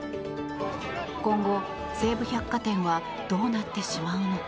今後、西武百貨店はどうなってしまうのか。